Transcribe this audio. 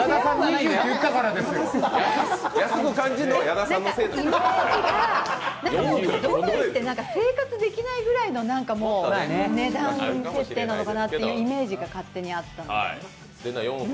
イメージがドバイって生活できないくらいの値段設定なのかなってイメージが勝手にあったので。